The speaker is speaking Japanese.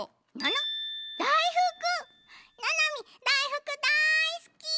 ななみだいふくだいすき！